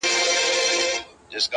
او هغه خړ انځور;